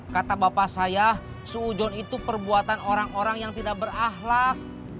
kata bapak saya seujol itu perbuatan orang orang yang tidak berahlak